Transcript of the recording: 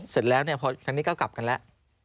เสร็จแล้วพอทางนี้เขากลับกันแล้ว